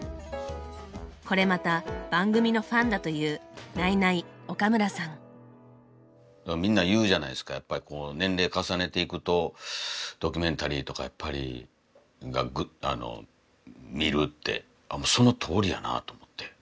これまた番組のファンだというみんな言うじゃないですかやっぱりこう年齢重ねていくとドキュメンタリーとかやっぱり見るってそのとおりやなと思って。